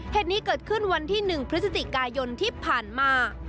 เหตุนี้เกิดขึ้นวันที่๑พฤศจิกายนที่ผ่านมา